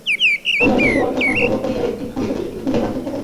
তোমরা কিছু অর্থ সংগ্রহ করিয়া একটি ফণ্ড খুলিবার চেষ্টা কর।